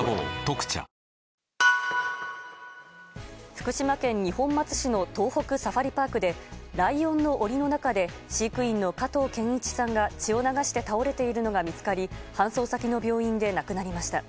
福島県二本松市の東北サファリパークでライオンの檻の中で飼育員の加藤健一さんが血を流して倒れているのが見つかり搬送先の病院で亡くなりました。